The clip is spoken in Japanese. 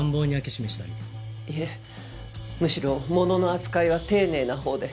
いえむしろ物の扱いは丁寧なほうで。